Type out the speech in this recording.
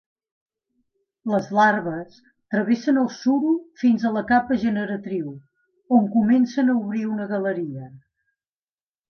Les larves travessen el suro fins a la capa generatriu, on comencen obrir una galeria.